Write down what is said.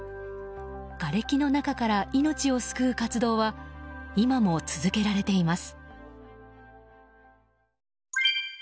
がれきの中から命を救う活動は今も続けられています。